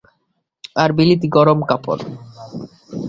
আর বিলিতি গরম কাপড়?